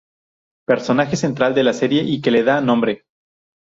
Personaje central de la serie y que le da nombre.